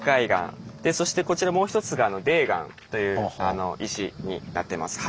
そしてこちらもう一つが泥岩という石になってます。